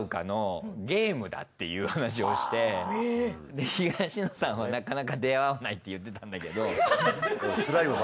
で東野さんはなかなか出会わないって言ってたんだけど。